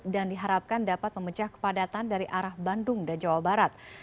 dan diharapkan dapat memecah kepadatan dari arah bandung dan jawa barat